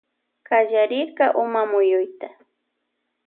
Kallarirka umamuyuta.